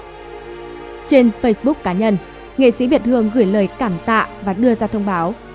trên facebook cá nhân nghệ sĩ việt hương gửi lời cảm tạ và đưa ra thông báo